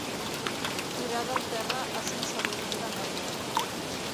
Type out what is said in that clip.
Forada el terra a Sant Sadurní d'Anoia.